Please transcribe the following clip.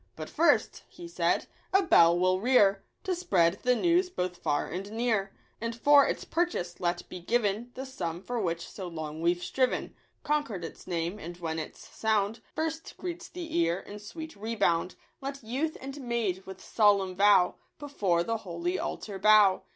"But first," he said, "a bell we'll rear To spread the news both far and near ; And for its purchase let be given The sum for which so long we've striven, — Concord its name ; and when its sound First greets the ear in sweet rebound, Let youth and maid with solemn vow Before the holy altar bow."